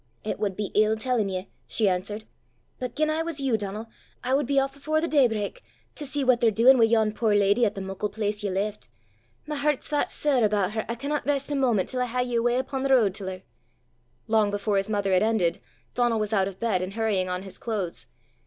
"It wad be ill tellin' ye," she answered. "But gien I was you, Donal, I wad be aff afore the day brak, to see what they're duin' wi' yon puir leddy at the muckle place ye left. My hert's that sair aboot her, I canna rist a moment till I hae ye awa' upo' the ro'd til her!" Long before his mother had ended, Donal was out of bed, and hurrying on his clothes.